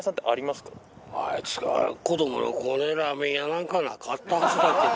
あいつが子どもの頃ラーメン屋なんかなかったはずだけどな。